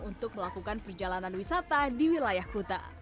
untuk melakukan perjalanan wisata di wilayah kuta